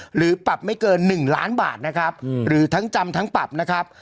หรือปรับไม่เกิน๑ล้านบาทนะครับหรือทั้งจำทั้งปรับนะครับ